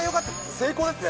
成功ですね。